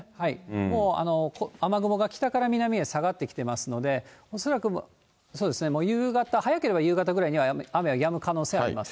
もう雨雲が北から南へ下がってきていますので、恐らく夕方、早ければ夕方ぐらいで雨はやむ可能性はあります。